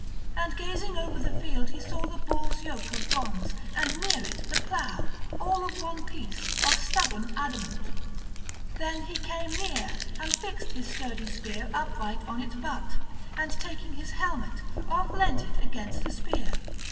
And gazing over the field he saw the bulls' yoke of bronze and near it the plough, all of one piece, of stubborn adamant. Then he came near, and fixed his sturdy spear upright on its butt, and taking his helmet, off leant it against the spear.